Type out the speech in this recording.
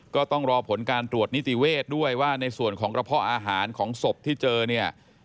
ก็ต้องรอผลการตรวจนิติเวทด้วยว่าในส่วนของกระเพาะอาหารของศพที่เจอเนี่ย